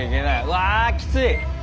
うわきつい！